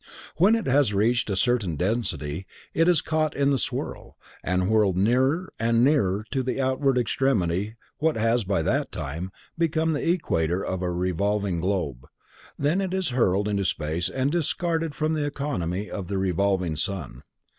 When it has reached a certain density it is caught in the swirl, and whirled nearer and nearer to the outward extremity of what has, by that time, become the equator of a revolving globe. Then it is hurled into space and discarded from the economy of the revolving sun.